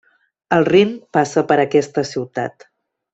El Rin passa per aquesta ciutat.